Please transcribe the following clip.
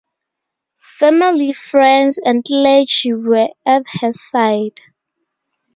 Family, friends and clergy were at her side.